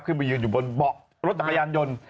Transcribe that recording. ขึ้นไปยืนอยู่บนเบาะรถตะกาญานยนต์